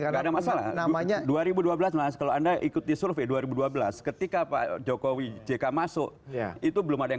karena namanya dua ribu dua belas kalau anda ikuti survei dua ribu dua belas ketika pak jokowi jk masuk itu belum ada yang